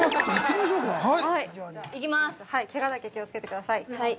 ◆けがだけ気をつけてください。